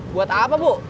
buat apa bu